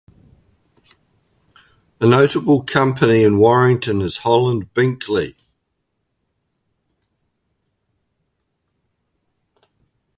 A notable company in Warrenton is Holland-Binkley.